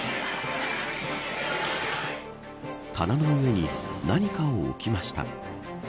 棚の上に何かを置きました。